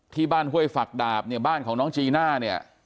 ห้วยฝักดาบเนี่ยบ้านของน้องจีน่าเนี่ย